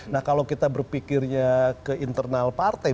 nah kalau kita berpikirnya ke internal partai